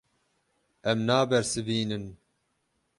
Em nabersivînin.